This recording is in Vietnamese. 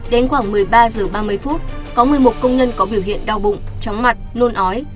đến khoảng một mươi ba h ba mươi có một mươi một công nhân có biểu hiện đau bụng chóng mặt nôn ói